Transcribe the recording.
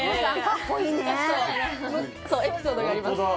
エピソードがあります